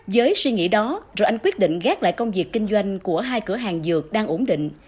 với suy nghĩ đó rồi anh quyết định gác lại công việc kinh doanh của hai cửa hàng dược đang ổn định